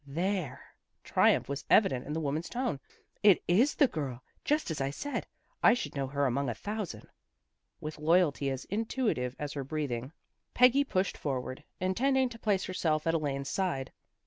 " There! " Triumph was evident in the woman's tone. " It is the girl, just as I said. I should know her among a thousand." With loyalty as intuitive as her breathing Peggy pushed forward, intending to place her self at Elaine's side.